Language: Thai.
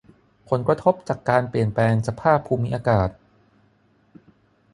ผลกระทบจากการเปลี่ยนแปลงสภาพภูมิอากาศ